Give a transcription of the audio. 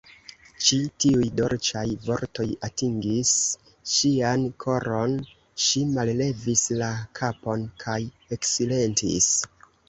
Ĉi tiuj dolĉaj vortoj atingis ŝian koron; ŝi mallevis la kapon kaj eksilentis.